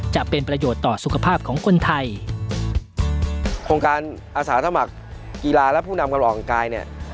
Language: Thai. จะเป็นประโยชน์ต่อสุขภาพของคนไทย